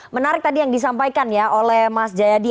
menarik tadi yang disampaikan ya oleh mas jayadi